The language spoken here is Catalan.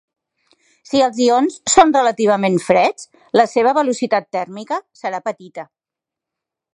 Si els ions són relativament freds, la seva velocitat tèrmica serà petita.